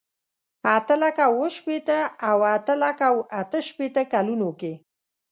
اته لکه اوه شپېته او اته لکه اته شپېته کلونو کې.